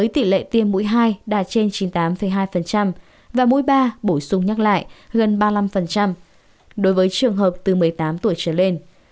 tỷ lệ tiêm mũi hai đạt trên chín mươi tám hai và mũi ba bổ sung nhắc lại gần ba mươi năm đối với trường hợp từ một mươi tám tuổi trở lên